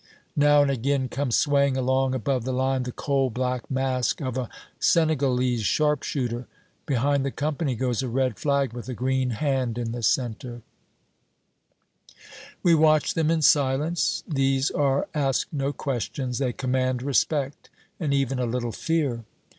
Now and again comes swaying along above the line the coal black mask of a Senegalese sharpshooter. Behind the company goes a red flag with a green hand in the center. We watch them in silence. These are asked no questions. They command respect, and even a little fear.